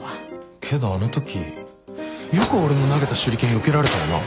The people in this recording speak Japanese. けどあのときよく俺の投げた手裏剣よけられたよな。